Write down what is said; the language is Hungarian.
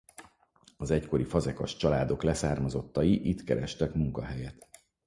Az egykori fazekas családok leszármazottai itt kerestek munkahelyet.